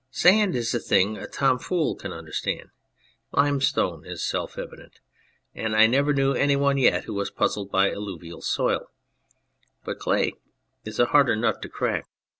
Sand is a thing a torn fool can understand ; limestone is self evident ; and I never knew any one yet who was puzzled by alluvial soil ; but clay is a harder nut to crack.